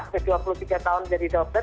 saya dua puluh tiga tahun menjadi dokter